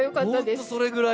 本当それぐらい。